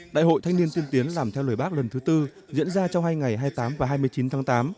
đại hội thanh niên tiên tiến làm theo lời bác lần thứ tư diễn ra trong hai ngày hai mươi tám và hai mươi chín tháng tám